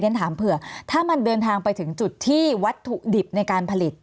ฉันถามเผื่อถ้ามันเดินทางไปถึงจุดที่วัตถุดิบในการผลิต